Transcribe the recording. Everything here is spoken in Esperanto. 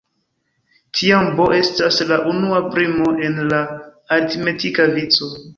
Tiam "b" estas la unua primo en la aritmetika vico.